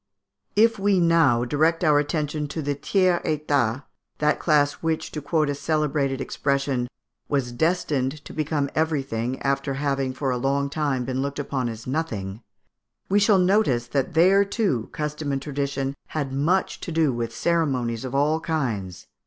If we now direct our attention to the tiers état, that class which, to quote a celebrated expression, "was destined to become everything, after having for a long time been looked upon as nothing," we shall notice that there, too, custom and tradition had much to do with ceremonies of all kinds.